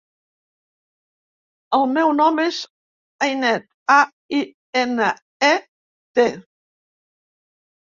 El meu nom és Ainet: a, i, ena, e, te.